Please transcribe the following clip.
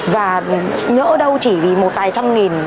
và nhỡ đâu chỉ vì một tài trăm